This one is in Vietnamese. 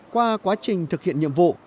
qua quá trình thực hiện nhiệm vụ